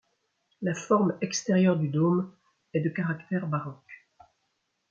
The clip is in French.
La forme extérieure du dôme est de caractère baroque.